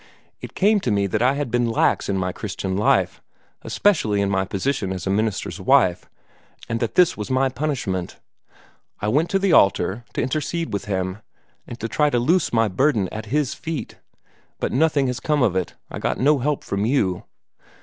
It came to me that I had been lax in my Christian life, especially in my position as a minister's wife, and that this was my punishment. I went to the altar, to intercede with Him, and to try to loose my burden at His feet. But nothing has come of it. I got no help from you."